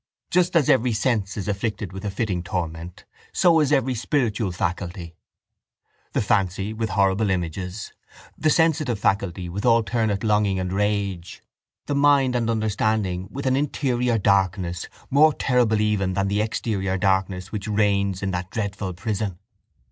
Just as every sense is afflicted with a fitting torment, so is every spiritual faculty; the fancy with horrible images, the sensitive faculty with alternate longing and rage, the mind and understanding with an interior darkness more terrible even than the exterior darkness which reigns in that dreadful prison.